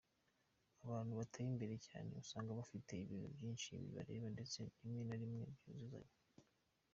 Abantu bateye imbere cyane usanga bafite ibintu byinshi bibareba ndetse rimwe na rimwe byuzuzanya.